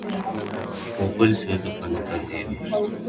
Kwa ukweli siwezi kufanya kazi hiyo